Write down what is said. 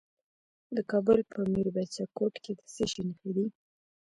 د کابل په میربچه کوټ کې د څه شي نښې دي؟